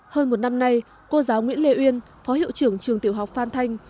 hơn một năm nay cô giáo nguyễn lê uyên phó hiệu trưởng trường tiểu học phan thanh